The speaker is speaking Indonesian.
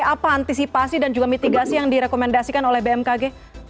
apa antisipasi dan juga mitigasi yang direkomendasikan oleh bmkg